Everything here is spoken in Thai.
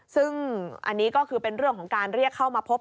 ซึ่งอันนี้ก็คือเป็นเรื่องของการเรียกเข้ามาพบ